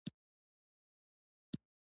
دوی به د لاسونو د وینځلو لپاره د چنو پاوډر کارول.